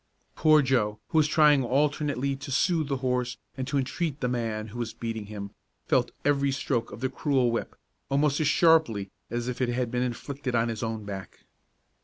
Poor Joe, who was trying alternately to soothe the horse and to entreat the man who was beating him, felt every stroke of the cruel whip almost as sharply as if it had been inflicted on his own back.